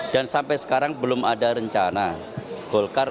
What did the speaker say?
dan sampai sekarang belum ada rencana